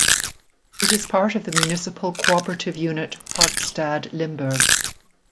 It is part of the municipal cooperative unit Parkstad Limburg.